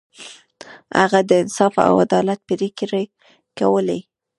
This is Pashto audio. هغه د انصاف او عدالت پریکړې کولې.